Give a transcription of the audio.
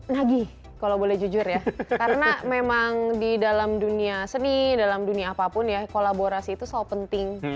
nagih kalau boleh jujur ya karena memang di dalam dunia seni dalam dunia apapun ya kolaborasi itu selalu penting